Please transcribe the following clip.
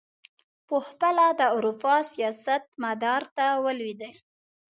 پخپله د اروپا سیاست مدار ته ولوېدی.